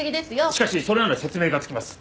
しかしそれなら説明がつきます。